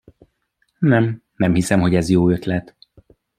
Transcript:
Nem, nem hiszem, hogy ez jó ötlet.